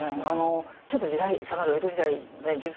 ちょっと時代下がる江戸時代十三代将軍